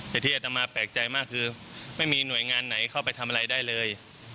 แต่ที่อัตมาแปลกใจมากคือไม่มีหน่วยงานไหนเข้าไปทำอะไรได้เลย